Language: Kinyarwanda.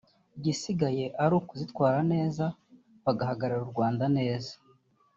igisigaye ari ukuzitwara neza bagahagararira u Rwanda neza